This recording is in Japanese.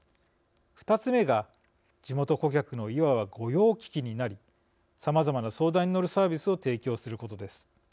２つ目が地元顧客のいわば御用聞きになりさまざまな相談に乗るサービスを提供することです。